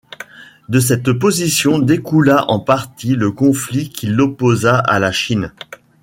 De cette position découla en partie le conflit qui l’opposa à la Chine.